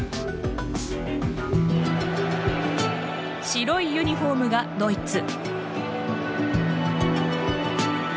白いユニホームがドイツ。